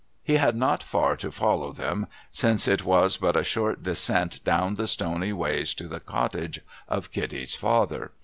He had not far to follow them, since it was but a short descent down the stony ways to the cottage of Kitty's father.